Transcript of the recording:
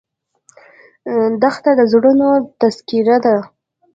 دښته د زړونو تذکره ده.